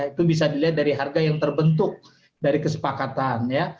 itu bisa dilihat dari harga yang terbentuk dari kesepakatan ya